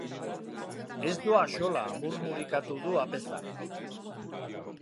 Ez du axola amurmurikatu du apezak.